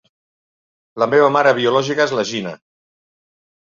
La meva mare biològica és la Gina.